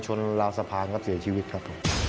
ชนลาวสะพานกับเสียชีวิตครับ